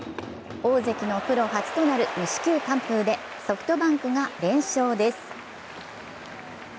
大関のプロ初となる無四球完封で、ソフトバンクが連勝です。